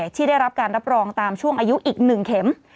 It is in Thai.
ที่ได้รับการรับรองตามช่วงอายุอีก๑เข็ม